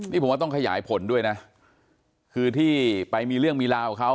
นี่ผมว่าต้องขยายผลด้วยนะคือที่ไปมีเรื่องมีราวกับเขา